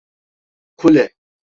Kule…